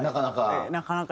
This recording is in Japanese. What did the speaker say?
なかなか。